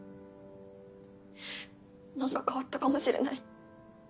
何か変わったかもしれない。